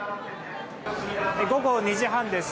午後２時半です。